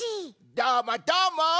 どーもどーも！